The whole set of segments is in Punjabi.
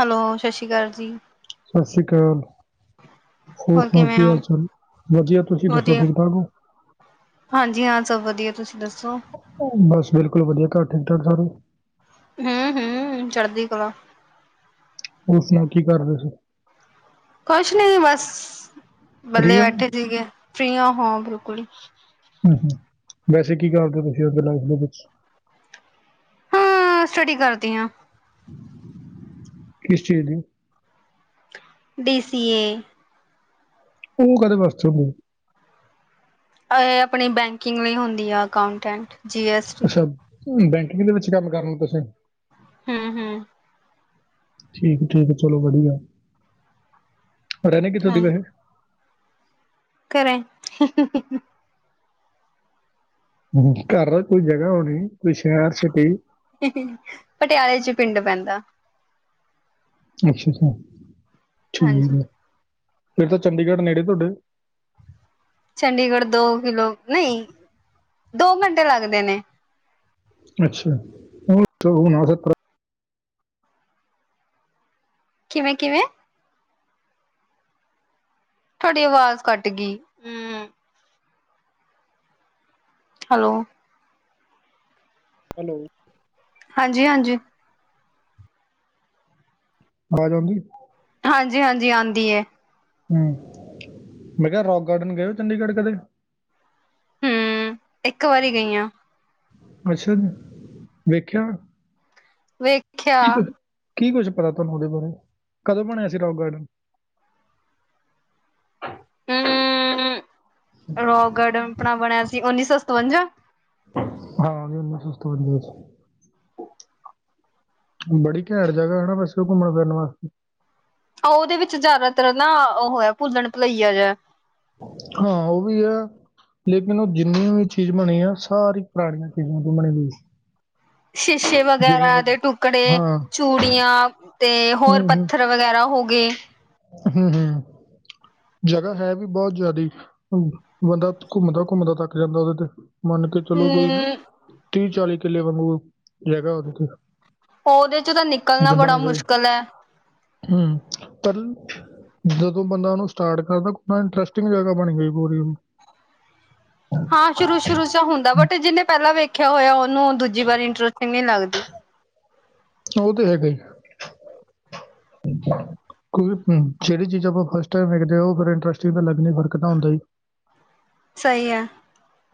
ਹੈਲੋ, ਸਤਿ ਸ਼੍ਰੀ ਅਕਾਲ ਜੀ। ਸਤ ਸ੍ਰੀ ਕਾਲ। ਹੋਰ ਸੁਣਾਓ, ਕਿਵੇਂ ਕੀ ਹੋ ਹਾਲ ਚਾਲ ਏ? ਵਦੀਆ ਤੁਸੀਂ ਦੱਸੋ, ਵਧੀਆ ਠੀਕ ਠਾਕ ਔ। ਹਾਂਜੀ ਹਾਂ, ਸਭ ਵਧੀਆ ਤੁਸੀਂ ਦੱਸੋ। ਬਸ ਬਿਲਕੁਲ ਵਧੀਆ, ਘਰ ਠੀਕ ਠਾਕ ਸਾਰੇ। ਹੂੰ ਹੂੰ, ਚੜ੍ਹਦੀ ਕਲਾ ਉਹ ਸੁਣਾ, ਕੀ ਕਰਦੇ ਸੀ? ਕੁਛ ਨੀ ਬਸ, ਫ੍ਰੀ ਬੇਲੇ ਹੋ? ਬੈਠੇ ਹੂੰ ਸੀਗੇ ਫਰੀਆਂ ਹਾਂ ਬਿਲਕੁਲ ਹੂੰ-ਹੂੰ, ਵੈਸੇ ਕੀ ਕਰਦੇ ਹੋ ਤੁਸੀਂ ਆਪਦੇ ਲਾਈਫ ਦੇ ਵਿੱਚ? ਹਾਂ ਸਟੱਡੀ ਕਰਦੀ ਹਾਂ ਕਿਸ ਚੀਜ ਦੀ ਬੀ ਸੀ ਏ ਉਹ ਕਾਦੇ ਵਾਸਤੇ ਹੁੰਦੇ? ਇਹ ਅਪਣੀ ਬੈਂਕਿੰਗ ਵੀ ਹੁੰਦੀ ਆ ਅਕਾਉਂਟੈਂਟ? ਅੱਛਾ, ਬੈਂਕਿੰਗ ਦੇ ਵਿੱਚ ਕੰਮ ਕਰਨਨਾ ਤੁਸੀਂ। ਹੂੰ-ਹੂੰ ਠੀਕ-ਠੀਕ ਚਲੋ ਵਧੀਆ। ਰਹਣੇ ਕਿੱਥੋਂ ਹਾਂ ਦੀ ਵੈਸੇ? ਘਰੇ ਘਰ ਨਾ ਕੋਈ ਜਗ੍ਹਾ ਹੋਣੀ, ਕੋਈ ਸ਼ਹਿਰ, ਸਿਟੀ ਹੀ-ਹੀ, ਪਟਿਆਲੇ ਚ ਪਿੰਡ ਪੈਂਦਾ। ਅੱਛਾ-ਅੱਛਾ ਠੀਕ ਹਾਂਜੀ ਹੈ, ਫਿਰ ਤਾਂ ਚੰਡੀਗੜ੍ਹ ਨੇੜੇ ਤੁਹਾਡੇ। ਚੰਡੀਗੜ੍ਹ ਦੋ ਕਿਲੋ ਨਹੀਂ, ਦੋ ਘੰਟੇ ਲਾਗਦੇ ਨੇ। ਅੱਛਾ, ਹੁਣ [unintelligible] ਕਿਵੇਂ-ਕਿਵੇਂ? ਤੁਹਾਡੀ ਆਵਾਜ਼ ਕਟ ਗਈ। ਹੂੰ ਹੈਲੋ ਹੈਲੋ। ਹਾਂਜੀ-ਹਾਂਜੀ ਆਵਾਜ਼ ਆਉਂਦੀ। ਹਾਂਜੀ -ਹਾਂਜੀ ਆਂਦੀ ਏ, ਹੂੰ, ਮੈਂ ਕਿਹਾ ਰੋਕ ਗਾਰਡਨ ਗਏ ਹੋ ਚੰਡੀਗੜ੍ਹ ਕਦੇ? ਹਮ ਇੱਕ ਵਾਰੀ ਗਈ ਆ। ਅੱਛਾ ਜੀ, ਵੇਖਿਆ? ਵੇਖਿਆ ਕੀ ਕੁ- ਕੀ ਕੁੱਛ ਪਤਾ ਤੁਹਾਨੂੰ ਉਹਦੇ ਬਾਰੇ? ਕਦੋਂ ਬਣਿਆ ਸੀ ਰੋਕ ਗਾਰਡਨ? ਹਮ ਰੋਕ ਗਾਰਡਨ ਆਪਣਾ ਬਣਿਆ ਸੀ ਉੱਨੀ ਸੌ ਸਤਵੰਜਾ? ਹਾਂਂ ਉਹਨਾ [unintelligible] ਬਣਦੀ ਬੜੀ ਘੈਟ ਜਗ੍ਹਾ ਹਨਾ ਵੈਸੇ ਓ ਘੁੰਮਣ ਫਿਰਨ ਵਾਸਤੇ ਅ ਉਹਦੇ ਵਿੱਚ ਜ਼ਿਆਦਾਤਰ ਨਾ, ਉਹ ਇਆ ਭੁੱਲਣ ਭੁਲਈਆ ਜਿਆ। ਹਾਂ, ਉਹ ਵੀ ਆ ਲੇਕਿਨ ਉਹ ਜਿੰਨੀਆਂ ਵੀ ਚੀਜ਼ ਬਣੀ ਆ ਸਾਰੀ ਪੁਰਾਣੀਆਂ ਚੀਜ਼ਾਂ ਤੋਂ ਬਣੀ ਹੋਈ। ਸ਼ੀਸ਼ੇ ਜਿਵੇਂ ਵਗੈਰਾ ਉਹ ਦੇ ਟੁਕੜੇ, ਹਾਂ ਚੂੜੀਆਂ ਤੇ ਹੂੰ ਹੋਰ ਹੂੰ ਪੱਥਰ ਵਗੈਰਾ ਹੋ ਗਏ ਹੂੰ ਹਮਮ। ਜਗ੍ਹਾ ਹੈ ਵੀ ਬਹੁਤ ਜ਼ਿਆਦੀ। ਬੰਦਾ ਘੁੰਮਦਾ-ਘੁੰਮਦਾ ਥੰਕ ਜਾਂਦਾ ਉਹਦੇ ਤੇ। ਮੰਨ ਕੇ ਚਲੋ ਕੋਈ ਹਮ ਤੀਹ ਚਾਲੀ ਕਿੱਲੇ ਬ ਜਗਾਾ ਉਹਦੇਤੇ ਉਹਹਦੇ ਚ ਤਾਂ ਨਿਕਲਣਾ ਬੜਾ ਮੁਸ਼ਕਿਲ ਹੈ। ਹੂੰ ਪਰ ਜਦੋਂ ਬੰਦਾ ਉਹਨੂੰ ਸਟਾਰਟ ਕਰਦਾ, ਇੰਟਰਸਟਿੰਗ ਜਗ੍ਹਾ ਬਣ ਗਈ ਪੋਰੀ। ਸ਼ੁਰੂ-ਸ਼ੁਰੂ ਚ ਹੁੰਦਾ ਬਟ ਜਿਹਨੇ ਪਹਿਲਾਂ ਵੇਖਿਆ ਹੋਇਆ, ਉਹਨੂੰ ਦੂਜੀ ਵਾਰੀ ਇੰਟਰਸਟਿੰਗ ਨੀ ਲੱਗਦੀ। ਉਹ ਤੇ ਹੈਗਾ ਹੀ। ਕਿਉਂਕਿ ਜਿਹੜੀ ਚੀਜਾਂ ਆਪਾਂ ਫਸਟ ਟਾਈਮ ਵੇਖਦੇ ਹੋ। ਉਹ ਫਿਰ ਇੰਟਰਸਟਿੰਗ ਤਾਂ ਲੱਗਣੀ ਫਰਕ ਤਾਂ ਹੁੰਦਾਈ ਸਹੀ ਐ।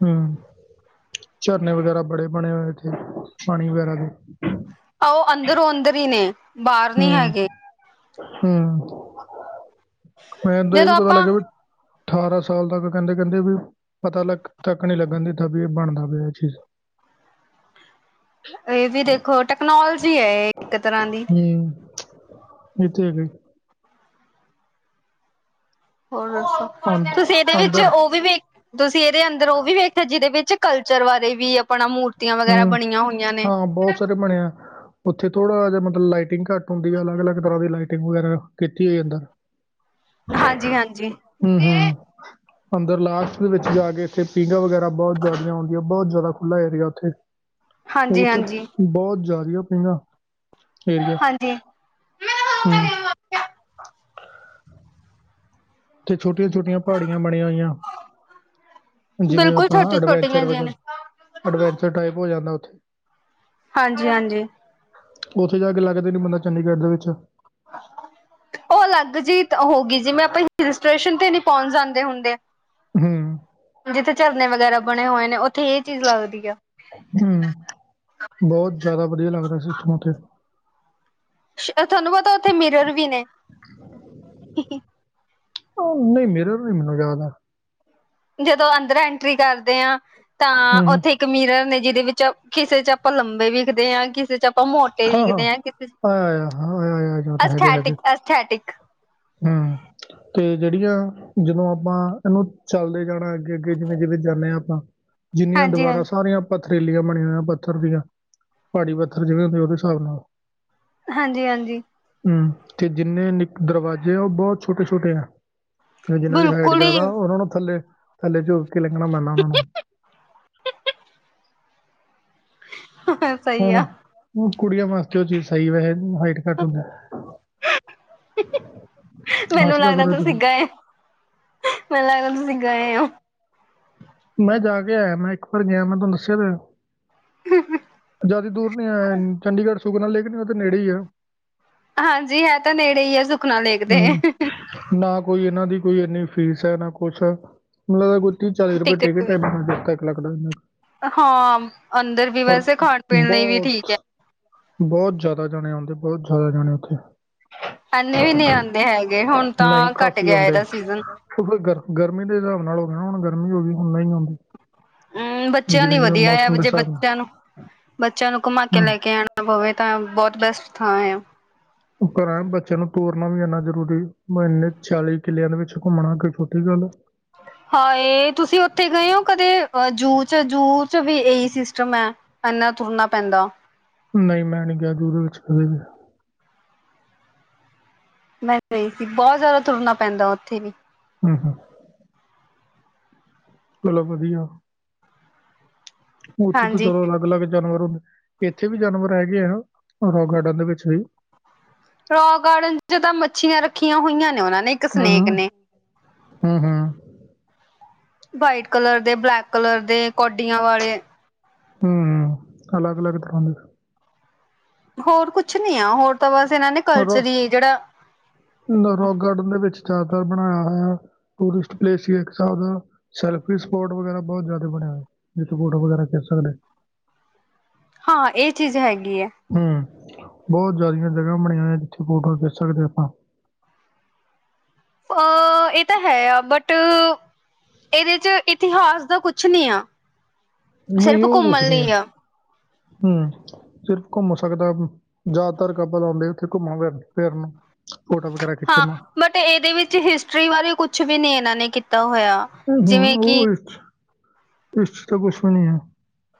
ਹੂੰ, ਝਰਨੇ ਵਗੈਰਾ ਬੜੇ ਬਣੇ ਹੋਏ ਇੱਥੇ ਪਾਣੀ ਵਗੈਰਾ ਦੇ। ਉਹ ਅੰਦਰੋਂ ਅੰਦਰ ਹੀ ਨੇ ਬਾਹਰ ਨੀ ਹੈਗੇ। ਹਮ, ਮੈਨੂੰ ਤੇ ਇਹ ਵੀ ਜਦੋਂ ਪਤਾ ਆਪਾਂ ਲੱਗਿਆ ਵੀ ਅਠਾਰਾਂ ਸਾਲ ਤੱਕ, ਕਹਿੰਦੇ -ਕਹਿੰਦੇ ਵੀ ਪਤਾ ਲੱਗ ਤੱਕ ਨੀ ਲੱਗਣ ਦਿਤਾ ਵੀ, ਇਹ ਬਣਦਾ ਪਿਆ ਇਹ ਚੀਜ਼। ਇਹ ਜੀ ਦੇਖੋ, ਟੈਕਨੋਲਜੀ ਹੈ ਇਹ ਇੱਕ ਤਰ੍ਹਾਂ ਦੀ। ਹੂੰ, ਇਹ ਤੇ ਹੈਗਾ ਈ। ਹੋਰ ਦੱਸੋ, ਅੰਦ- ਤੁਸੀਂ ਇਹਦੇ ਵਿੱਚ ਅੰਦਰ ਉਹ ਵੀ ਵੇਖ- ਤੁਸੀਂ ਇਹਦੇ ਅੰਦਰ ਉਹ ਵੀ ਵੇਖਿਆ ਜਿਹਦੇ ਵਿੱਚ ਕਲਚਰ ਬਾਰੇ ਵੀ, ਆਪਣਾ ਮੂਰਤੀਆਂ ਵਗੈਰਾ ਹੂੰ ਬਣੀਆਂ ਹੋਈਆਂ ਨੇ। ਸਾਰੇ ਬਣਿਆ ਓਥੇ ਥੋੜਾ ਜਾ ਮਤਲਬ ਲਾਈਟਿੰਗ ਘਾੱਟ ਹੁੰਦੀ ਆ ਅਲੱਗ-ਅਲੱਗ ਤਰਾ ਦੀ ਲਾਈਟਿਗ ਵਗੈਰਾ ਕੀਤੀ ਓਈ ਏ ਐਦਾ ਹਾਂਜੀ, ਹਾਂਜੀ ਹੂੰ ਤੇ ਹੂੰ ਅੰਦਰ ਲਾਸਟ ਦੇ ਵਿੱਚ ਜਾ ਕੇ ਇੱਥੇ ਪੀਂਘਾਂ ਵਗੈਰਾ ਬਹੁਤ ਜ਼ਿਆਦਾਆਂ ਹੁੰਦੀਆਂ, ਬਹੁਤ ਜ਼ਿਆਦਾ ਖੁੱਲ੍ਹਾ ਏਰੀਆ ਉੱਥੇ। ਹਾਂਜੀ ਉਥੇ ਹਾਂਜੀ ਬੋਤ ਜ਼ਿਆਦੀਆ ਪਈਆਂ ਏਰੀਆ ਹਾਂਜੀ ਹਮਮ ਤੇ ਛੋਟੀਆਂ-ਛੋਟੀਆਂ ਪਹਾੜੀਆਂ ਬਣੀਆ ਹੋਈਆਂ। ਜਿਵੇਂ ਬਿਲਕੁਲ ਅਪਾਂ ਛੋਟੀ ਛੋਟੀਆਂ ਅਡਵੈਂਚਰ ਜਿਹੀਆਂ ਵਗ ਨੇ ਅਡਵੈਂਚਰ ਟਾਈਪ ਓ ਜਾਂਦਾ ਓਥੇ ਹਾਂਜੀ-ਹਾਂਜੀ। ਉੱਥੇ ਜਾ ਕੇ ਲੱਗਦੇ ਨੇ ਬੰਦਾ ਚੰਡੀਗੜ੍ਹ ਦੇ ਵਿੱਚ, ਓਹ ਅਲੱਗ ਜੀਤ ਹੋ ਗੀ ਜਿਵੇਂ ਅਪਾਂ ਰੈਜਿਸਟੇਸ਼ਨ ਤੇ ਨੀ ਪੋਨ ਜਾਂਦੇ ਹੁੰਦੇ ਹੂੰ। ਜਿੱਥੇ ਝਰਨੇ ਵਗੈਰਾ ਬਣੇ ਹੋਏ ਨੇ ਓਥੇ ਇਹ ਚੀਜ਼ ਲੱਗਦੀ ਆ ਹਮ ਬਹੁਤ ਜ਼ਿਆਦਾ ਵਧੀਆ ਲੱਗਦਾ ਸਿਸਟਮ ਉੱਥੇ ਤੁਹਾਨੂੰ ਪਤਾ, ਉੱਥੇ ਮਿਰਰ ਵੀ ਨੇ। ਹੀ ਹੀ ਓ ਨਈ ਮੇਰੇ ਨੀ ਮੈਨੂੰ ਯਾਦ ਆ। ਜਦੋਂ ਅੰਦਰ ਐਂਟਰੀ ਕਰਦੇ ਆ ਤਾਂ ਹੂੰ ਹੂੰ ਉੱਥੇ ਕਮੇਰਾ ਮਿਰਰ ਨੇ ਜਿਹਦੇ ਵਿੱਚ, ਕਿਸੇ ਚ ਆਪਾਂ ਲੰਬੇ ਵਿਖਦੇ ਆ, ਕਿਸੇ ਚ ਆਪਾਂ ਮੋਟੇ ਵਿਖਦੇ ਹਾਂ ਕਿਤੇ ਆਇਆ ਆਇਆ ਹਾਂ ਆਇਆ ਆਇਆ ਜਾਂ ਤਾਂ ਹੈਗੇ ਹੈਗੇ ਅਸਥੈਟਿਕ-ਅਸਥੈਟਿਕ। ਹੂੰ। ਤੇ ਜਿਹੜੀਆਂ ਜਦੋਂ ਆਪਾਂ ਇਹਨੂੰ ਚੱਲਦੇ ਜਾਣਾ ਅੱਗੇ-ਅੱਗੇ, ਜਿਵੇਂ-ਜਿਵੇਂ ਜਾਂਦੇ ਆ ਆਪਾਂ ਜਿੰਨੀਆਂ ਹਾਂਜੀ ਦੀਵਾਰਾਂ ਹਾਂਜੀ ਸਾਰੀਆਂ ਪੱਥਰੀਲੀਆਂ ਬਣੀਆਂ ਹੋਇਆਂ ਪੱਥਰ ਦੀਆਂ। ਪਹਾੜੀ ਪੱ [unintelligible] ਹਿਸਾਬ ਨਾਲ ਹਾਂਜੀ-ਹਾਂਜੀ। ਹੂੰ, ਤੇ ਜਿਨੇ ਨੇਕ ਦਰਵਾਜ਼ੇ ਓ ਬੋਤ ਛੋਟੇ-ਛੋਟੇ ਨੇ। ਜਿਨਾਂ ਦੀ ਹਾਈਟ ਬਿਲਕੁਲ ਹੀ ਜਆਦਾ ਓਨਾ ਨੂੰ ਥੱਲੇ, ਥੱਲੇ ਝੁੱਕ ਕੇ ਲਗਣਾ ਪੈਂਦਾ ਓਨਾ ਨੂੰ। [inaudible] ਹੂੰ, ਕੁੜੀਆਂ ਵਾਸਤੇ ਓ ਚੀਜ਼ ਸਈ ਵੈਹੇ ਹਾਈਟ ਘਾੱਟ ਹੁੰਦੈ ਮੈਨੂੰ ਆਸਰਾ ਲੱਗਦਾ ਕਰੋ ਤੁਸੀ ਤੁਸੀਂ ਗਏ ਮੈਨੂੰ ਲੱਗਦਾ ਤੁਸੀਂ ਗਏ ਓ ਮੈ ਜਾ ਕੇ ਆਏਆ ਮੈ ਇਕ [unintelligible] ਗੇਆ ਮੈ ਤਾਨੂੰ ਦਸੇਆ ਤੇ ਐ [inaudible] ਜ਼ਿਆਦੀ ਦੂਰ ਨੀ ਆਏ, ਚੰਡੀਗੜ ਸੁਕਨਾ ਲੇਕ ਨੇ ਓਦੇ ਨੇੜੇ ਈ ਆ ਹਾਂਜੀ, ਐ ਤਾ ਨੇੜੇ ਈ ਐ ਸੁਖਨਾ ਲੇਕ ਦੇ। ਹੂੰ ਨਾ ਕੋਈ ਇਨਾਂ ਦੀ ਕੋਈ ਇੰਨੀ ਫੀਸ ਐ ਨਾ ਕੁਛ [unintelligible] ਕੋਈ ਤੀ ਚਾਲੀ ਰੱਪੇ ਟਿਕਟ ਵੀ [unintelligible] ਹਾਂ ਅੰਦਰ ਵੀ ਪਰ ਵੈਸੇ ਖਾਣ ਪੀਣ ਲਈ ਵੀ ਠੀਕ ਬੌਤ ਹੈ ਬੋਤ ਜਾਦਾ ਜਣੇ ਆਓਦੇ, ਬੋਤ ਜਾਦਾ ਜਣੇ ਓਥੇ ਐਨੇ ਵੀ ਨੀ ਆਨਦੇ ਹੈਗੇ, ਹੋਨ ਨਹੀਂ ਤਾਂ ਘਾੱਟ ਕਾਫੀ ਗੇਆ ਆਉਂਦੇ ਐਦਾ ਸੀਜ਼ਨ [unintelligible] ਗਰ ਗਰਮੀ ਦੇ ਹੇਸਾਬ ਨਾਲ ਹੋਗਯਾ ਹੁਣ ਗਰਮੀ ਹੋ ਗਈ ਹੁਣ ਹੂੰ, ਬੱਚੇਆਂ ਲਈ ਜਿਵੇਂ ਜਿਵੇਂ ਵਦਿਆ ਯਾ ਮੌਸਮ ਦੇ ਜੇ ਹਿਸਾਬ ਨਾਲ ਬੱਚੇਆਂ ਨੂ, ਬੱਚੇਆਂ ਨੂੰ ਕੁਮਾ ਕੇ ਲੈ ਹੂੰ ਕੇ ਆਣਾ ਪਵੇ ਤਾਂ ਬੋਤ ਬੈਸਟ ਥਾਂਯਾ। ਘੱਰਾਂ ਬੱਚੇਆਂ ਨੂੰ ਟੋਰਨਾ ਵੀ ਐਨਾ ਜਰੂਰੀ, ਓ ਇਨੇ ਛਿਆਲੀ ਕਿਲਿਆਂ ਦੇ ਵਿਚ ਘੁੰਮਣਾ ਕੋਈ ਛੋਟੀ ਗਾੱਲ ਆ ਹਾਏ, ਤੁਸੀ ਓਥੇ ਗਏ ਓ ਕਦੇ ਅ ਜੂ ਚ, ਜੂ ਚ ਵੀ ਏਈ ਸਿਸਟਮ ਐ। ਐਨਾ ਤੁਰਨਾ ਪੈਂਦਾ ਨਈ, ਮੈ ਨੀ ਗੇਆ ਜੂ ਦੇ ਵਿੱਚ ਕਦੇ ਵੀ। ਮੈਂ ਗਈ ਸੀ, ਬੋਤ ਜ਼ਿਆਦਾ ਤੁਰਨਾ ਪੈਂਦਾ ਓਥੇ ਵੀ ਹੂੰ, ਹੂੰ। ਚਲੋ ਵਦਿਆ। ਓਥੇ ਤੇ ਹਾਂਜੀ ਚਲੋ ਅਲੱਗ-ਅਲੱਗ ਜਾਨਵਰ ਹੁ ਇੱਥੇ ਵੀ ਜਾਨਵਰ ਹੈਗੇ ਆ, ਰੋਕ ਗਾਰਡਨ ਦੇ ਵਿੱਚ ਵੀ ਰੋਕ ਗਾਰਡਨ ਚ ਤਾਂ ਮੱਛੀਆਂ ਰੱਖੀਆ ਹੋਈਆਂ ਨੇ, ਓਨਾ ਨੇ ਤੇ ਸਨੇਕ ਹੂੰ, ਨੇ ਹੂੰ-ਹੂੰ, ਵਾਈਟ ਕਲਰ ਦੇ, ਬਲੈਕ ਕਲਰ ਦੇ, ਕੋਡੀਆਂ ਵਾਲੇ ਹੂੰ, ਅਲੱਗ-ਅਲੱਗ ਤਰਾ ਦੇ। ਹੋਰ ਕੁਛ ਨੀ ਐ, ਹੋਰ ਤਾਂ ਬਾੱਸ ਏਨਾਂ ਨੇ ਕਲਚਰ ਈ ਏ ਜੜਾ ਨ ਰੋਕ ਗਾਰਡਨ ਦੇ ਵਿੱਚ ਜ਼ਿਆਦਾਤਰ ਬਣਾਏਆ ਹੋਏਆ ਟੂਰਿਸਟ ਪਲੇਸ ਈ ਏਕ ਸਾਬ ਦਾ ਸੈਲਫੀ ਸਪੋਟ ਵਗੈਰਾ ਬੋਤ ਜਿਆਦੇ ਬਣੇ ਓਏ, ਜਿਥੇ ਫੋਟੋ ਵਗੈਰਾ ਖੇਚ ਸਕਦੇ ਹਾਂ, ਇਹ ਚੀਜ਼ ਹੈਗੀ ਐ। ਹੂੰ, ਬੋਤ ਜਾਦੀਆ ਜਗਾ ਬਣਿਆਂ ਓਇਯਾਂ, ਜਿਥੇ ਫੋਟੋਵਾਂ ਖੇਚ ਸਕਦੇ ਅਪਾਂ ਅ, ਏ ਤਾਂ ਹੈਯਾ ਬੱਟ ਏਦੇ ਚ ਇਤਿਹਾਸ ਦਾ ਕੁਛ ਨੀ ਆ, ਨਹੀਂ ਸਿਰਫ ਉਹ ਕੁਛ ਘੁੰਮਨ ਨਹੀਂ ਲਈ ਆ। ਹੂੰ। ਸਿਰਫ ਘੁੰਮ ਸਕਦੈ, ਜ਼ਿਆਦਾਤਰ ਕਪਲ ਆਓਂਦੇ ਓਥੇ ਘੁੰਮਨ-ਫਿਰਨ। ਫੋਟੋ ਵਗੈਰਾ ਖਿੱਚਨ ਹਾਂ ਨੂੰ ਬਟ ਇੱਦੇ ਵਿੱਚ ਹਿਸਟਰੀ ਵਾਰੇ ਕੁਛ ਵੀ ਨੀ ਇਨਾਂ ਨੇ ਕੀਤਾ ਹੋਏਆ। ਹਮ ਹਮ ਉਹ ਇਸ ਇਸ ਚ ਤਾਂ ਕੁਛ ਵੀ ਨੀ ਹੈ।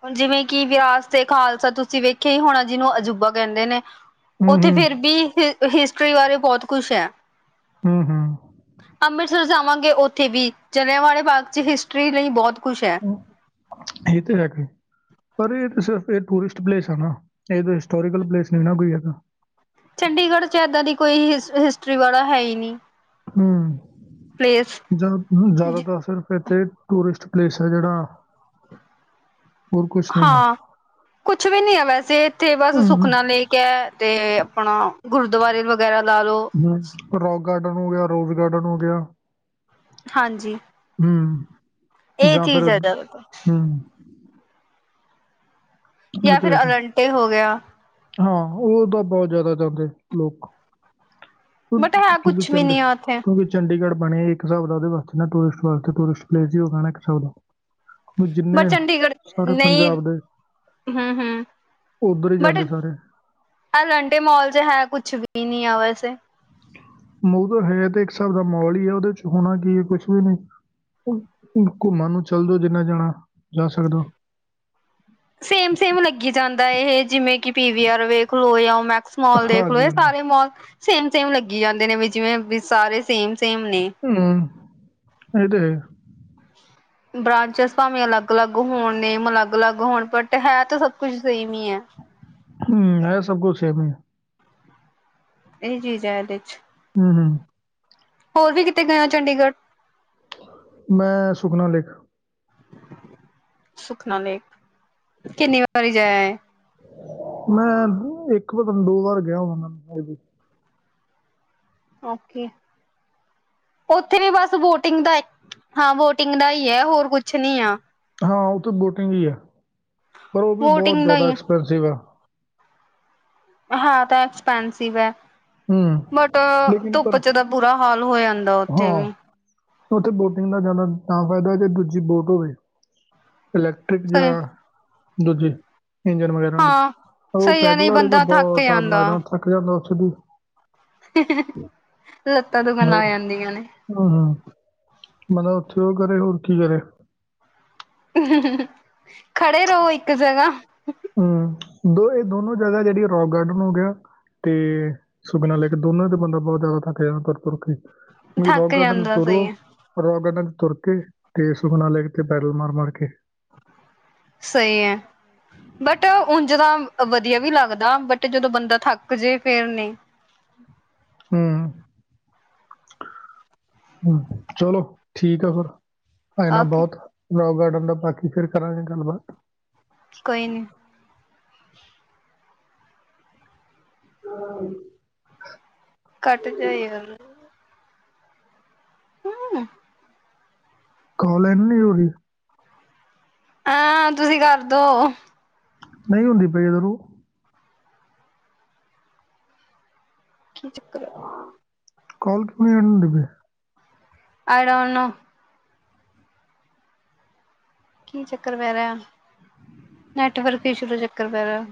ਹੁਣ ਜਿਵੇ ਕਿ ਵਿਰਾਸ ਤੇ ਖਾਲਸਾ ਤੁਸੀ ਵੇਖਿਆ ਹੀ ਹੋਣਾ ਜਿਹਨੂੰ ਅਜੂਬਾ ਕਹਿਦੇ ਨੇ ਹੂੰ, ਉਥੇ ਹੂੰ, ਫਿਰ ਵੀ ਹਿਸਟਰੀ ਬਾਰੇ ਬਹੁਤ ਕੁਛ ਹੈ। ਹਮ ਹਮ ਅੰਮ੍ਰਿਤਸਰ ਜਾਵਾਂਗੇ ਉੱਥੇ ਵੀ ਜਲ੍ਹਿਆਂ ਵਾਲੇ ਬਾਗ ਚ ਹਿਸਟਰੀ ਲਈ ਬਹੁਤ ਕੁਛ ਹੈ। ਇਹ ਤਾਂ ਹੈ। ਪਰ ਇਹ ਇਕ ਸਿਰਫ ਇਹ ਟੂਰਿਸਟ ਪਲੇਸ ਹੈ ਨਾ ਇਹ ਕੋਈ ਹਿਸਟੋਰੀਕਲ ਪਲੇਸ ਨਹੀ ਨਾ ਕੋਈ ਇਹਦਾ- ਚੰਡੀਗੜ੍ਹ 'ਚ ਏਦਾਂ ਦੀ ਕੋਈ ਹਿਸ ਹਿਸਟਰੀ ਵਾਲਾ ਹੈ ਹੀ ਨਹੀ ਹਮ ਜਾਂ ਜ਼ਿਆਦਾਤਰ ਸਿਰਫ ਇੱਥੇ ਟੂਰਿਸਟ ਪਲੇਸ ਹੈ ਜਿਹੜਾ। ਹੋਰ ਕੁਛ ਨਹੀਂ ਹੈ। ਹਾਂ ਕੁਛ ਵੀ ਨੀ ਹੈ ਵੈਸੇ ਇੱਥੇ ਬਸ ਹੂੰ, ਹੂੰ, ਸੁਖਨਾ ਲੇਕ ਤੇ ਆਪਣਾ ਗੁਰਦੁਆਰੇ ਵਗੈਰਾ ਲਾ ਲੋ। ਹਮ ਰੋਕ ਗਾਰਡਨ ਹੋ ਗਿਆ ਰੋਜ਼ ਗਾਰਡਨ ਹੋ ਗਿਆ। ਹਾਂਜੀ ਹੂੰ ਇਹ ਜਾਂ ਚੀਜ਼ ਫਿਰ ਹੈ ਜ਼ਿਆਦਾਤਰ ਹੂੰ ਇਹ ਜਾਂ ਤਾਂ ਫਿਰ ਹੈਗਾ। ਅਲੰਟੇ ਹੋ ਗਿਆ। ਹਾਂ ਉਹ ਤਾਂ ਬਹੁਤ ਜ਼ਿਆਦਾ ਜਾਂਦੇ ਲੋਕ ਬਟ ਹੈ ਤੂੰ ਕੁਛ ਵੀ ਚੰਡ ਨੀ ਆ [unintelligible] ਉੱਥੇ ਤ ਚੰਡੀਗੜ੍ਹ ਬਣੇ ਇਕ ਹਿਸਾਬ ਦਾ ਉਹਦੇ ਵਾਸਤੇ ਨਾ ਟੂਰਿਸਟ ਵਾਸਤੇ ਟੂਰਿਸਟ ਪਲੇਸ ਹੀ ਉਹ ਕਹਿਣਾ ਇਕ ਹਿਸਾਬ ਦਾ- ਬਟ ਜਿੰਨੇ ਚੰਡੀਗੜ੍ਹ ਸਾਰੇ ਨਹੀਂ ਪੰਜਾਬ ਦੇ ਹਮ ਹਮ ਉੱਧਰ ਹੀ ਜਾਂਦੇ ਸਾਰੇ। ਆਲੰਟੇ ਮਾਲ ਚ ਹੈ ਕੁਛ ਵੀ ਨੀ ਆ ਵੈਸੇ। ਮ ਤਾਂ ਹੈ ਤੇ ਇਕ ਹਿਸਾਬ ਦਾ ਮੋਲ ਹੀ ਹੈ। ਉਹਦੇ 'ਚ ਹੋਣਾ ਕੀ ਹੈ ਕੁਛ ਵੀ ਨਹੀ। ਘੁੰਮਣ ਨੂੰ ਚਲ ਜੋ ਜਿੰਨਾ ਜਾਣਾ ਜਾ ਸਕਦਾ। ਸੇਮ- ਸੇਮ ਲੱਗੀ ਜਾਦਾ ਇਹ ਜਿਵੇ ਕ ਪੀਵੀ ਆਰ ਵੇਖਲੋ ਜਾਂ ਓ ਮੈਕਸ ਮਾਲ ਦੇਖਲੋ ਹਾਂਜੀ ਇਹ ਹਾਂਜੀ ਸਾਰੇ ਮਾਲ ਸੇਮ ਸੇਮ ਲੱਗੀ ਜਾਂਦੇ ਨੇ ਵੀ ਜਿਵੇਂ ਵੀ ਸਾਰੇ ਸੇਮ ਸੇਮ ਨੇ। ਹੂੰ ਇਹ ਤੇ ਹੈ। ਬ੍ਰਾਂਚਿਸ ਭਾਵੇ ਅਲੱਗ- ਅਲੱਗ ਹੋਣ ਨੇਮ ਅਲੱਗ- ਅਲੱਗ ਹੋਣ ਬਟ ਹੈ ਤਾਂ ਸਭ ਕੁਝ ਸੇਮ ਹੀ ਹੈ। ਹਮ ਇਹ ਸਬ ਕੁਛ ਸੇਮ ਈ ਇਹੀ ਚੀਜ਼ ਹੈ ਇਹਦੇ ਚ ਹੂੰ- ਹੂੰ - ਹੋਰ ਵੀ ਕਿੱਤੇ ਗਏ ਆ ਚੰਡੀਗੜ੍ਹ। ਮੈਂ ਸੁਖਨਾ ਲੇਕ ਸੁਖਨਾ ਲੇਖ ਕਿੰਨੀ ਵਾਰੀ ਜਾਆਏ। ਮੈਂ ਇੱਕ ਵਨ ਦੋ ਵਾਰ ਗਿਆ ਹੋਵਾਂਗਾ ਓਕੇ ਉੱਥੇ ਵੀ ਬਸ ਬੋਟਿੰਗ ਦਾ ਹਾਂ ਬੋਟਿੰਗ ਦਾ ਹੀ ਹੈ ਹੋਰ ਕੁਛ ਨੀ ਆ। ਹਾਂ ਉਹ ਤਾਂ ਬੋਟਿੰਗ ਹੀ ਆ ਪਰ ਉਹ ਵੀ ਬਹੁਤ ਵੋਟਿੰਗ ਦਾ ਜਿਆਦਾ ਹੀ ਹੈ ਐਕਸਪੈਂਸਿਵ ਆ। ਹਾਂ ਤਾਂ ਐਕਸਪੈਂਸਿਵ ਹੈ। ਬਟ ਹੂੰ ਲੇਕਿਨ ਪਰ ਧੁੱਪ 'ਚ- ਬੁਰਾ ਹਾਲ ਹੋ ਜਾਦਾ ਹਾਂ- ਉਥੇ ਬੋਟਿੰਗ ਦਾ ਜਿਆਦਾ ਤਾਂ ਫ਼ਾਇਦਾ ਹੈ। ਜ ਦੂਜੀ ਬੋਟ ਹੋਵੇ ਇਲੈਕਟ੍ਰਿਕ ਜਾਂ ਸਹੀ ਦੂਜੇ ਇੰਜਨ ਵਗੈਰਾ ਆਲੀ ਹਾਂ। ਉਹ ਸਹੀ ਹੈ ਨਹੀਂ ਪੈਡਲਾਂ ਵਾਲੇ ਤਾਂ ਬੰਦਾ ਥੱਕ ਬਹੁਤ ਟੈਮ ਜਾਂਦਾ ਲੱਗਦਾ। ਥੱਕ ਜਾਂਦਾ ਉੱਥੇ ਵੀ। ਲੱਤਾਂ ਦੁਕ ਣ ਲ ਗ ਆ ਜਾਂਦੀਆਂ ਨੇ। ਹਾਂ ਹੋ- ਮਤਲਬ ਉਥੇ ਉਹ ਕਰੇ ਹੋਰ ਕੀ ਕਰੇ ਹ ਖੜੇ ਰਹੋ ਇੱਕ ਜਗ੍ਹਾ। ਹਮ ਦੋ ਇਹ ਦੋਨੋ ਜਗ੍ਹਾ ਜਿਹੜੀ ਰੋਕ ਗਾਰਡਨ ਹੋ ਗਿਆ ਤੇ ਸੁਖਨਾ ਲੇਕ ਇ ਦੋਨਾ ਦੇ ਬੰਦਾ ਬਹੁਤ ਜਿਆਦਾ ਥੱਕ ਜੰਦਾ ਤੁਰ ਤੁਰ ਕੇ- ਵੀ ਥੱਕ ਰੋਕ ਗਾਰਡਨ 'ਚ ਜਾਂਦਾ ਤੁਰੋ ਸਹੀ ਹੈ ਰੋਕ ਗਾਰਡਨ 'ਚ ਤੁਰ ਕੇ ਤੇ ਸੁਖਨਾ ਲੈ ਕੇ ਤੇ ਪੈਡਲ ਮਾਰ ਮਾਰ ਕੇ- ਸਹੀ ਹੈ। ਬਟ ਉਝ ਤਾਂ ਵਧੀਆ ਵੀ ਲਗਦਾ ਬਟ ਜਦੋ ਬੰਦਾ ਥੱਕ ਜੇ ਫੇਰ ਨੇ- ਹਮ ਹ ਚਲੋ ਠੀਕ ਆ ਫਿਰ ਨਾ ਓਕੇ ਬਹੁਤ ਰੋਕ ਗਾਰਡਨ ਦਾ ਬਾਕੀ ਫੇਰ ਕਰਾਂਗੇ ਗੱਲਬਾਤ ਕੋਈ ਨਹੀ- [unintelligible] ਘੱਟ ਜਾਏ ਹੁਣ ਹਮ ਕਾਲ ਐਂਡ ਨਹੀਂ ਹੋ ਰਹੀ। ਹਾਂ ਤੁਸੀਂ ਕਰਦੋ ਨਹੀਂ ਹੁੰਦੀ ਪਈ ਜਦੋਂ ਕੀ ਚੱਕਰ ਆ। ਕਲ ਕਿਵੇਂ ਆਣ ਦੇਵੇ। ਆਈ ਡੋਂਟ ਨੋ ਕੀ ਚੱਕਰ ਪੈ ਰਿਹਾ, ਨੈਟਵਰਕ ਇੱਛੂ ਦਾ ਚੱਕਰ ਪੈ ਰਿਹਾ।